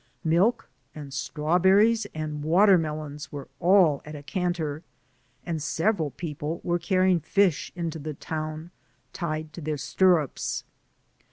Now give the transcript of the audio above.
Milk, '. and strawberries, and water melons, were all at a canter, and several people were carrying fidi into the town tied to their stirrups.